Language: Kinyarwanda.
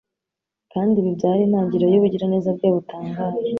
Kandi ibi byari intangiriro y'ubugiraneza bwe butangaje.